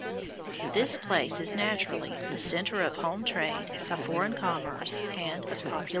This place is naturally the centre of home trade, of foreign commerce, and of population.